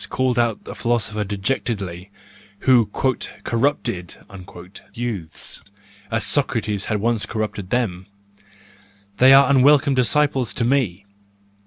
called out a philosopher dejectedly, who "corrupted" youths, as Socrates had once corrupted them,—they are unwelcome disciples to me.